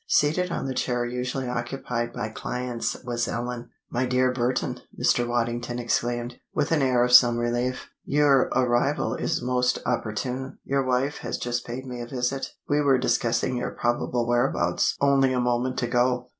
Seated on the chair usually occupied by clients, was Ellen. "My dear Burton," Mr. Waddington exclaimed, with an air of some relief, "your arrival is most opportune! Your wife has just paid me a visit. We were discussing your probable whereabouts only a moment ago."